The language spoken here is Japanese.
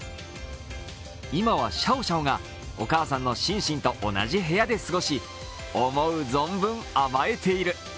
今はシャオシャオがお母さんのシンシンと同じ部屋で過ごし、思う存分甘えている。